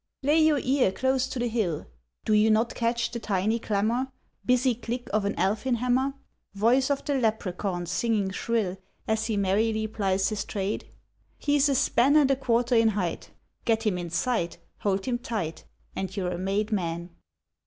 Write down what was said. Lay your ear close to the hill. Do you not catch the tiny clamour, Busy click of an elfin hammer, Voice of the Lepracaun singing shrill As he merrily plies his trade? He's a span And a quarter in height. Get him in sight, hold him tight, And you're a made Man!